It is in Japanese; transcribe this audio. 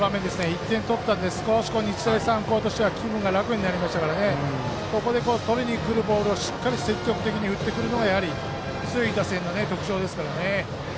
１点取って、日大三高としては少し気分が楽になりましたからここで取りにくるボールをしっかり積極的に振ってくるのが強い打線の特徴ですからね。